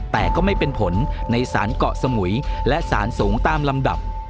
แต่ก็ไม่เป็นผลในสารเกาะสมุยและสารสูงตามลำดับ